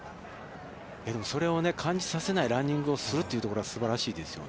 それを感じさせないランニングをするというところがすばらしいですよね。